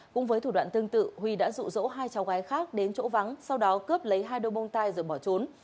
cũng với thủ đoạn tương tự huy đã rụ rỗ hai cháu gái khác đến chỗ vắng sau đó cướp lấy hai đôi bông tai rồi bỏ trốn